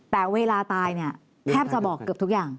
แต่เวลาตายเนี่ยแทบจะบอกเกือบทุกอย่าง